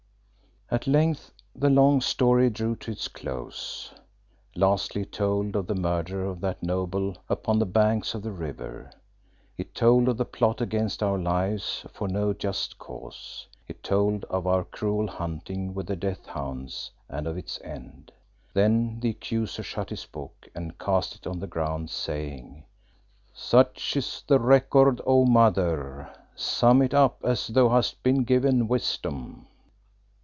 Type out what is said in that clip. At length the long story drew to its close. Lastly it told of the murder of that noble upon the banks of the river; it told of the plot against our lives for no just cause; it told of our cruel hunting with the death hounds, and of its end. Then the Accuser shut his book and cast it on the ground, saying "Such is the record, O Mother. Sum it up as thou hast been given wisdom."